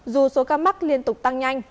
dù số ca mắc liên tục tăng nhanh